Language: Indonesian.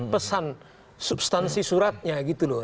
pesan substansi suratnya gitu loh